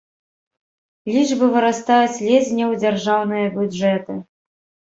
Лічбы вырастаюць ледзь не ў дзяржаўныя бюджэты.